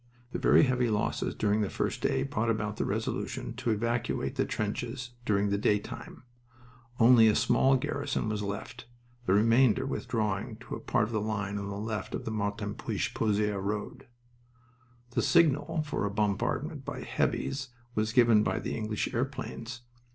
The very heavy losses during the first day brought about the resolution to evacuate the trenches during the daytime. Only a small garrison was left, the remainder withdrawing to a part of the line on the left of the Martinpuich Pozieres road. "The signal for a bombardment by 'heavies' was given by the English airplanes.